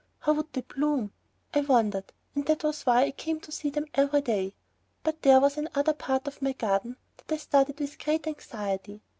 How would they bloom? I wondered, and that was why I came to see them every day. But there was another part of my garden that I studied with great anxiety.